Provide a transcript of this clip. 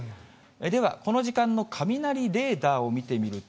では、この時間の雷レーダーを見てみると。